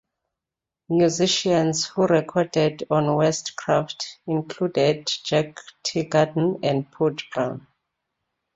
Musicians who recorded on West Craft included Jack Teagarden and Pud Brown.